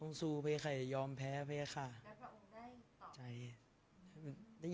สงฆาตเจริญสงฆาตเจริญ